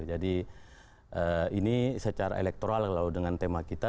jadi ini secara elektoral kalau dengan tema kita